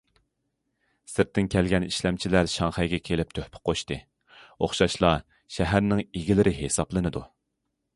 سىرتتىن كەلگەن ئىشلەمچىلەر شاڭخەيگە كېلىپ تۆھپە قوشتى، ئوخشاشلا شەھەرنىڭ ئىگىلىرى ھېسابلىنىدۇ.